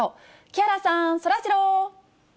木原さん、そらジロー。